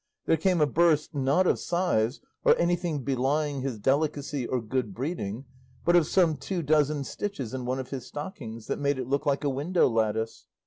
there came a burst, not of sighs, or anything belying his delicacy or good breeding, but of some two dozen stitches in one of his stockings, that made it look like a window lattice.